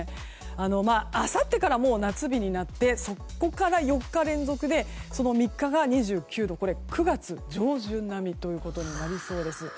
あさってからもう夏日になってそこから４日連続で３日が２９度これ９月上旬並みということになりそうです。